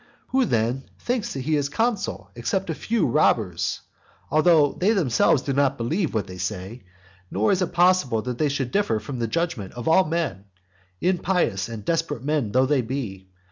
Who then think that he is consul except a few robbers? Although even they themselves do not believe what they say; nor is it possible that they should differ from the judgment of all men, impious and desperate men though they be.